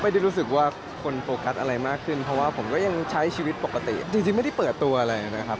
จริงไม่ได้เปิดตัวอะไรนะครับ